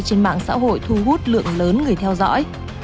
trên mạng xã hội thu hút lượng lớn người theo dõi